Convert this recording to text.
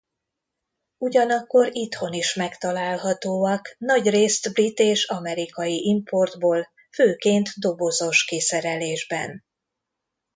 Ugyanakkor itthon is megtalálhatóak nagyrészt brit- és amerikai importból főként dobozos kiszerelésben.